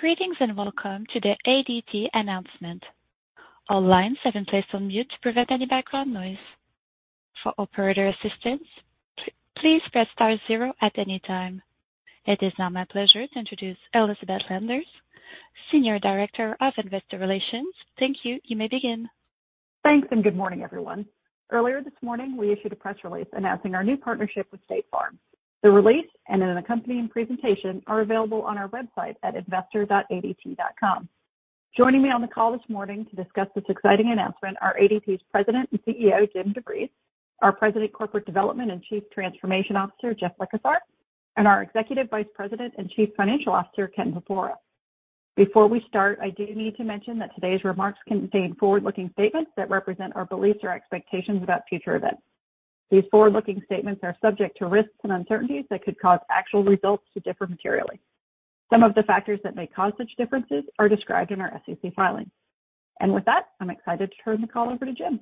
Greetings and welcome to the ADT announcement. All lines have been placed on mute to prevent any background noise. For operator assistance, please press star zero at any time. It is now my pleasure to introduce Elizabeth Landers, Senior Director of Investor Relations. Thank you. You may begin. Thanks, and good morning, everyone. Earlier this morning, we issued a press release announcing our new partnership with State Farm. The release and an accompanying presentation are available on our website at investor.adt.com. Joining me on the call this morning to discuss this exciting announcement are ADT's President and CEO, Jim DeVries, our President Corporate Development and Chief Transformation Officer, Jeff Likosar, and our Executive Vice President and Chief Financial Officer, Ken Porpora. Before we start, I do need to mention that today's remarks contain forward-looking statements that represent our beliefs or expectations about future events. These forward-looking statements are subject to risks and uncertainties that could cause actual results to differ materially. Some of the factors that may cause such differences are described in our SEC filings. With that, I'm excited to turn the call over to Jim.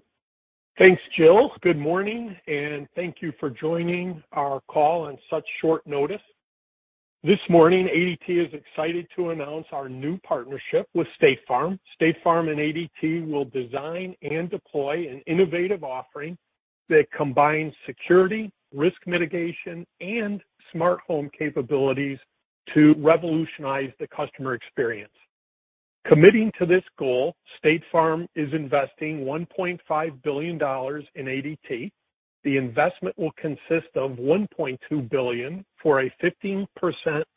Thanks, Jill. Good morning, and thank you for joining our call on such short notice. This morning, ADT is excited to announce our new partnership with State Farm. State Farm and ADT will design and deploy an innovative offering that combines security, risk mitigation, and smart home capabilities to revolutionize the customer experience. Committing to this goal, State Farm is investing $1.5 billion in ADT. The investment will consist of $1.2 billion for a 15%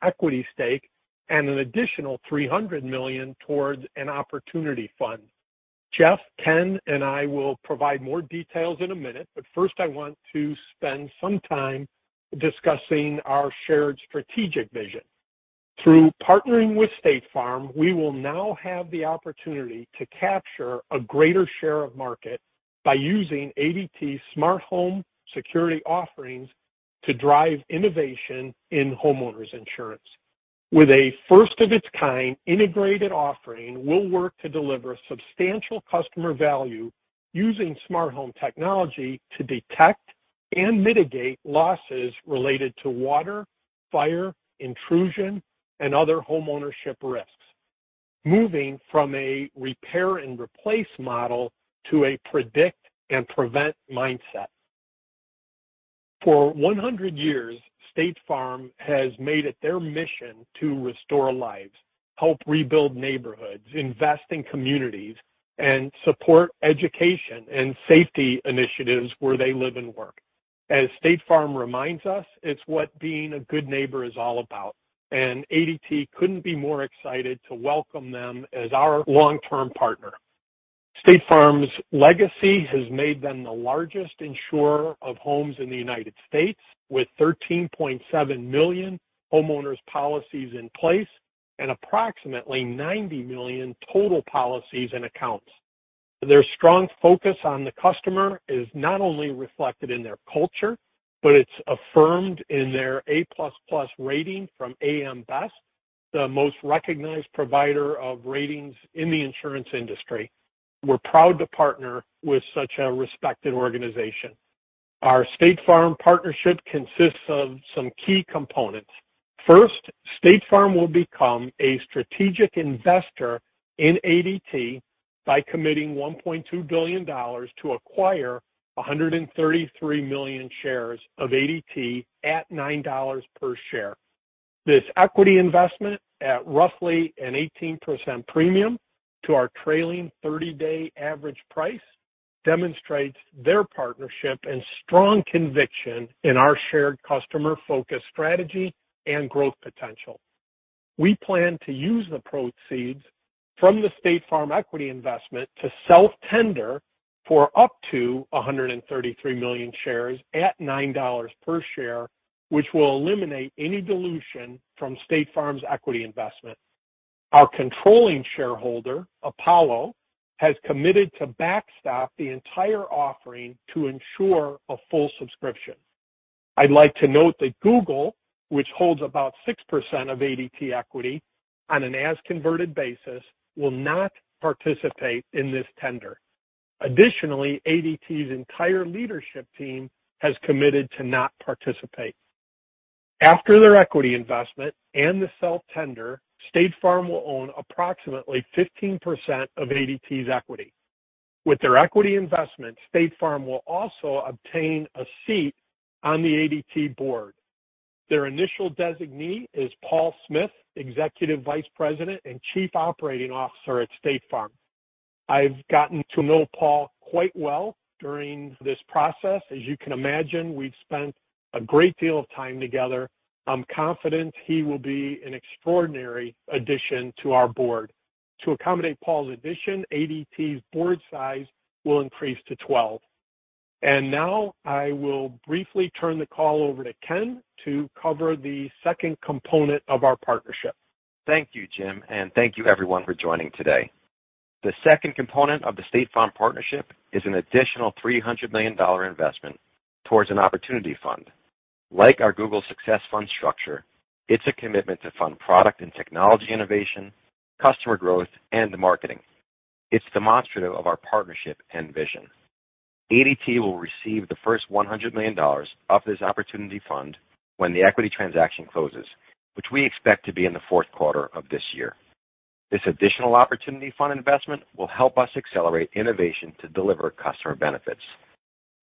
equity stake and an additional $300 million towards an opportunity fund. Jeff, Ken, and I will provide more details in a minute, but first, I want to spend some time discussing our shared strategic vision. Through partnering with State Farm, we will now have the opportunity to capture a greater share of market by using ADT's smart home security offerings to drive innovation in homeowners insurance. With a first of its kind integrated offering, we'll work to deliver substantial customer value using smart home technology to detect and mitigate losses related to water, fire, intrusion, and other homeownership risks, moving from a repair and replace model to a predict and prevent mindset. For 100 years, State Farm has made it their mission to restore lives, help rebuild neighborhoods, invest in communities, and support education and safety initiatives where they live and work. As State Farm reminds us, it's what being a good neighbor is all about, and ADT couldn't be more excited to welcome them as our long-term partner. State Farm's legacy has made them the largest insurer of homes in the United States, with 13.7 million homeowners policies in place and approximately 90 million total policies and accounts. Their strong focus on the customer is not only reflected in their culture, but it's affirmed in their A++ rating from AM Best, the most recognized provider of ratings in the insurance industry. We're proud to partner with such a respected organization. Our State Farm partnership consists of some key components. First, State Farm will become a strategic investor in ADT by committing $1.2 billion to acquire 133 million shares of ADT at $9 per share. This equity investment at roughly an 18% premium to our trailing 30-day average price demonstrates their partnership and strong conviction in our shared customer-focused strategy and growth potential. We plan to use the proceeds from the State Farm equity investment to self-tender for up to 133 million shares at $9 per share, which will eliminate any dilution from State Farm's equity investment. Our controlling shareholder, Apollo, has committed to backstop the entire offering to ensure a full subscription. I'd like to note that Google, which holds about 6% of ADT equity on an as-converted basis, will not participate in this tender. Additionally, ADT's entire leadership team has committed to not participate. After their equity investment and the self-tender, State Farm will own approximately 15% of ADT's equity. With their equity investment, State Farm will also obtain a seat on the ADT board. Their initial designee is Paul Smith, Executive Vice President and Chief Operating Officer at State Farm. I've gotten to know Paul quite well during this process. As you can imagine, we've spent a great deal of time together. I'm confident he will be an extraordinary addition to our board. To accommodate Paul's addition, ADT's board size will increase to 12. Now I will briefly turn the call over to Ken to cover the second component of our partnership. Thank you, Jim, and thank you everyone for joining today. The second component of the State Farm partnership is an additional $300 million investment towards an opportunity fund. Like our Google Success Fund structure, it's a commitment to fund product and technology innovation, customer growth, and marketing. It's demonstrative of our partnership and vision. ADT will receive the first $100 million of this opportunity fund when the equity transaction closes, which we expect to be in the fourth quarter of this year. This additional opportunity fund investment will help us accelerate innovation to deliver customer benefits.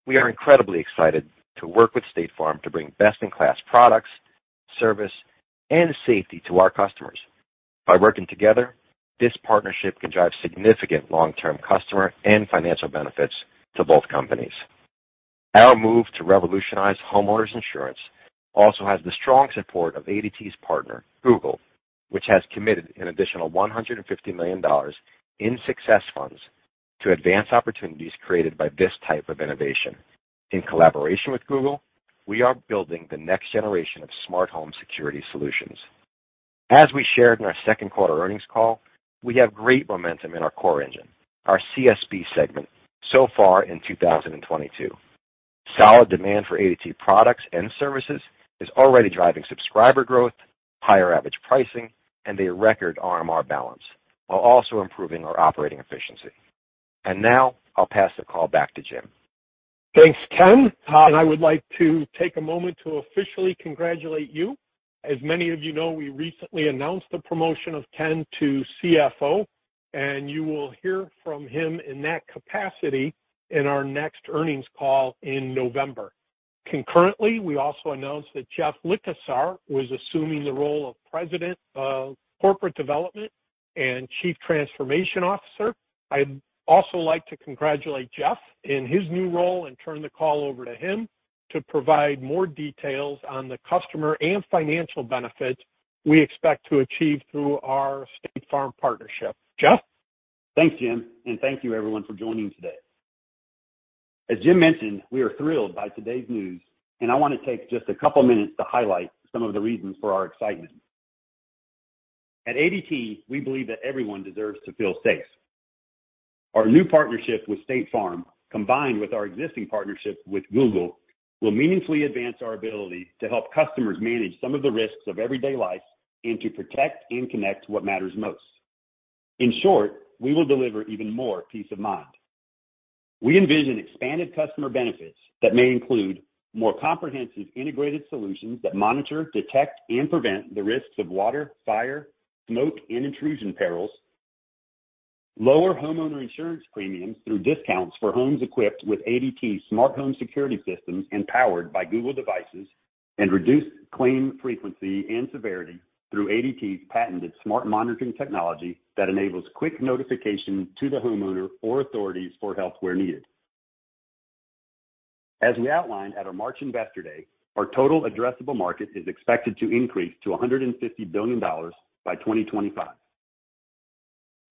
We are incredibly excited to work with State Farm to bring best-in-class products, service, and safety to our customers. By working together, this partnership can drive significant long-term customer and financial benefits to both companies. Our move to revolutionize homeowners insurance also has the strong support of ADT's partner, Google, which has committed an additional $150 million in success funds to advance opportunities created by this type of innovation. In collaboration with Google, we are building the next generation of smart home security solutions. As we shared in our second quarter earnings call, we have great momentum in our core engine, our CSB segment so far in 2022. Solid demand for ADT products and services is already driving subscriber growth, higher average pricing, and a record RMR balance, while also improving our operating efficiency. Now I'll pass the call back to Jim. Thanks, Ken. I would like to take a moment to officially congratulate you. As many of you know, we recently announced the promotion of Ken to CFO, and you will hear from him in that capacity in our next earnings call in November. Concurrently, we also announced that Jeff Likosar was assuming the role of President of Corporate Development and Chief Transformation Officer. I'd also like to congratulate Jeff in his new role and turn the call over to him to provide more details on the customer and financial benefits we expect to achieve through our State Farm partnership. Jeff? Thanks, Jim, and thank you everyone for joining today. As Jim mentioned, we are thrilled by today's news, and I want to take just a couple minutes to highlight some of the reasons for our excitement. At ADT, we believe that everyone deserves to feel safe. Our new partnership with State Farm, combined with our existing partnership with Google, will meaningfully advance our ability to help customers manage some of the risks of everyday life and to protect and connect what matters most. In short, we will deliver even more peace of mind. We envision expanded customer benefits that may include more comprehensive integrated solutions that monitor, detect, and prevent the risks of water, fire, smoke, and intrusion perils. Lower homeowner insurance premiums through discounts for homes equipped with ADT's smart home security systems and powered by Google devices. Reduced claim frequency and severity through ADT's patented smart monitoring technology that enables quick notification to the homeowner or authorities for help where needed. As we outlined at our March Investor Day, our total addressable market is expected to increase to $150 billion by 2025.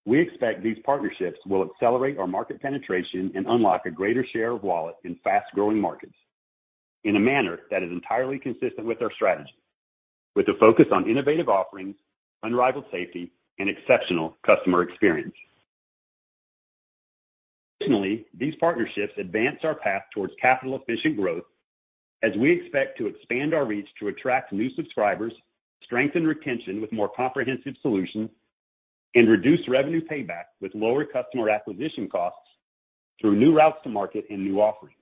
We expect these partnerships will accelerate our market penetration and unlock a greater share of wallet in fast-growing markets in a manner that is entirely consistent with our strategy, with a focus on innovative offerings, unrivaled safety, and exceptional customer experience. Additionally, these partnerships advance our path towards capital-efficient growth as we expect to expand our reach to attract new subscribers, strengthen retention with more comprehensive solutions, and reduce revenue payback with lower customer acquisition costs through new routes to market and new offerings.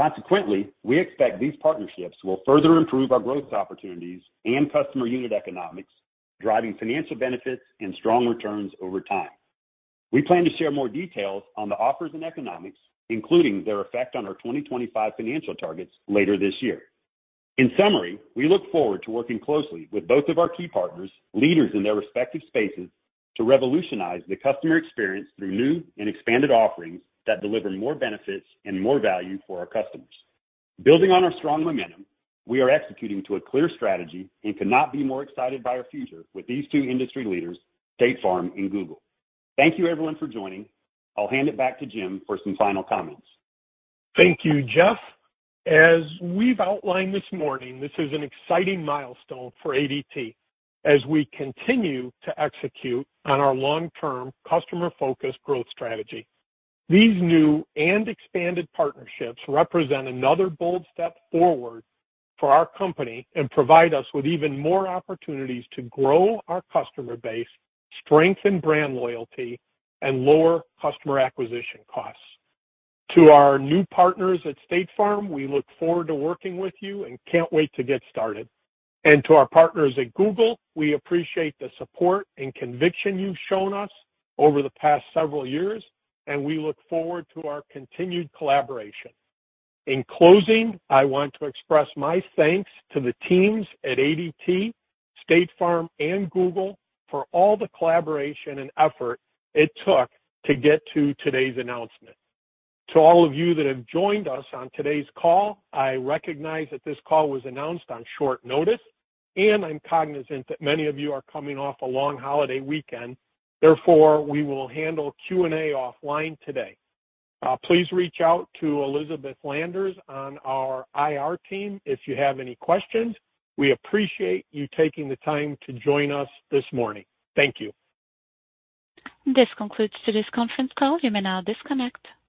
Consequently, we expect these partnerships will further improve our growth opportunities and customer unit economics, driving financial benefits and strong returns over time. We plan to share more details on the offers and economics, including their effect on our 2025 financial targets later this year. In summary, we look forward to working closely with both of our key partners, leaders in their respective spaces, to revolutionize the customer experience through new and expanded offerings that deliver more benefits and more value for our customers. Building on our strong momentum, we are executing to a clear strategy and could not be more excited by our future with these two industry leaders, State Farm and Google. Thank you everyone for joining. I'll hand it back to Jim for some final comments. Thank you, Jeff. As we've outlined this morning, this is an exciting milestone for ADT as we continue to execute on our long-term customer-focused growth strategy. These new and expanded partnerships represent another bold step forward for our company and provide us with even more opportunities to grow our customer base, strengthen brand loyalty, and lower customer acquisition costs. To our new partners at State Farm, we look forward to working with you and can't wait to get started. To our partners at Google, we appreciate the support and conviction you've shown us over the past several years, and we look forward to our continued collaboration. In closing, I want to express my thanks to the teams at ADT, State Farm, and Google for all the collaboration and effort it took to get to today's announcement. To all of you that have joined us on today's call, I recognize that this call was announced on short notice, and I'm cognizant that many of you are coming off a long holiday weekend. Therefore, we will handle Q&A offline today. Please reach out to Elizabeth Landers on our IR team if you have any questions. We appreciate you taking the time to join us this morning. Thank you. This concludes today's conference call. You may now disconnect.